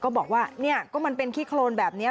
ก็บอกว่าเนี่ยก็มันเป็นขี้โครนแบบนี้